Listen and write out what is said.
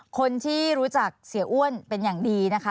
คนที่รู้จักเสียอ้วนเป็นอย่างดีนะคะ